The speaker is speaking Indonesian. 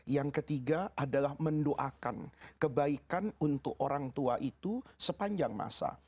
yang ketiga adalah mendoakan kebaikan untuk orang tua itu sepanjang masa